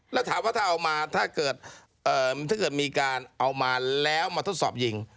แล้วถามว่าถ้าเอามาถ้าเกิดถ้าเกิดมีการเอามาแล้วมาทดสอบยิง